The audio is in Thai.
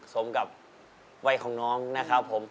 สมกับวัยของน้องนะครับผม